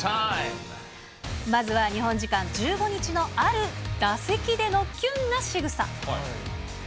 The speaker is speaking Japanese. まずは日本時間１５日のある打席でのキュンなしぐさ。